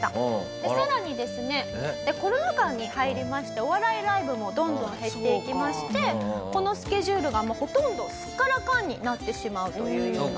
でさらにですねコロナ禍に入りましてお笑いライブもどんどん減っていきましてこのスケジュールがもうほとんどすっからかんになってしまうというような。